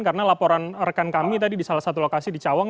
karena laporan rekan kami tadi di salah satu lokasi di cawang